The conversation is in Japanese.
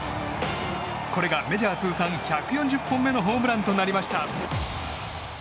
これがメジャー通算１４０本目のホームランとなりました。